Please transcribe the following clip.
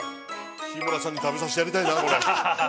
日村さんに食べさせてやりたいな。